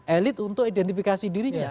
elit untuk identifikasi dirinya